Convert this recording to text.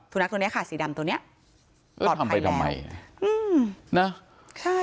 สุนัขตัวเนี่ยค่ะสีดำตัวเนี่ยปลอดภัยแล้วทำไปทำไมนะใช่